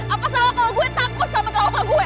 apa salah kalau gue takut sama trauma gue